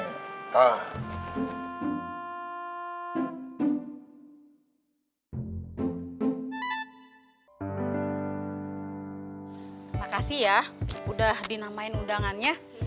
makasih ya udah dinamain udangannya